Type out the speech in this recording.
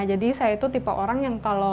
jadi saya itu tipe orang yang kalau